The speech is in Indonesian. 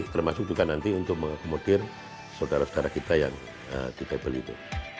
termasuk juga nanti untuk mengakomodir saudara saudara kita yang defable itu